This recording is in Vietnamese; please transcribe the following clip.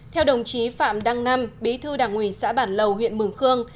theo đồng chí phạm đăng năm bí thư đảng quỳ xã bản lầu huyện mường khương